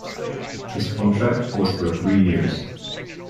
His contract was for three years.